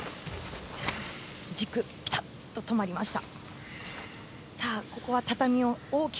軸もピタッと止まりました。